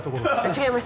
違います。